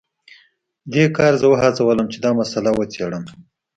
دې کار زه وهڅولم چې دا مسله وڅیړم